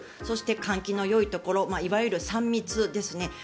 そして、換気のよいところいわゆる３密ですね。